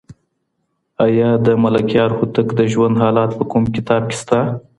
آیا د ملکیار هوتک د ژوند حالات په کوم کتاب کې شته؟